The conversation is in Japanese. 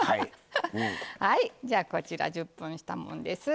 じゃあこちら１０分したもんです。